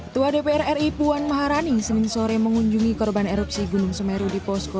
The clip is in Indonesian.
tua dpr ri puan maharani senin sore mengunjungi korban erupsi gunung semeru di posko